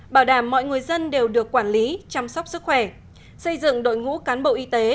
bảo đảm mọi người dân đều được quản lý chăm sóc sức khỏe xây dựng đội ngũ cán bộ y tế